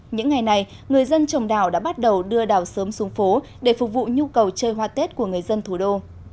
những ngày này người dân trồng đảo đã bắt đầu đưa đảo sớm xuống phố để phục vụ nhu cầu chơi hoa tết của người dân thủ đô